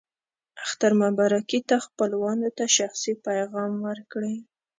اختر مبارکي ته خپلوانو ته شخصي پیغام ورکړئ.